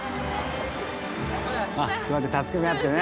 こうやって助け合ってね。